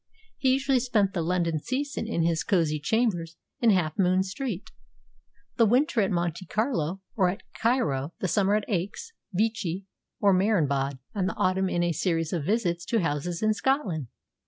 He usually spent the London season in his cosy chambers in Half Moon Street; the winter at Monte Carlo or at Cairo; the summer at Aix, Vichy, or Marienbad; and the autumn in a series of visits to houses in Scotland.